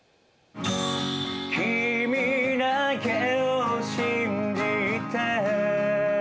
「君だけを信じて」